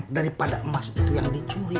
daripada emas itu yang dicuri